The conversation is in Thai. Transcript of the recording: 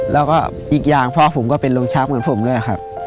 แล้วก็อีกอย่างพ่อผมก็เป็นลมชักเหมือนผมด้วยครับ